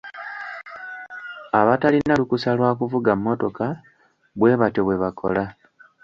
Abatalina lukusa lwa kuvuga mmotoka bwe batyo bwe bakola.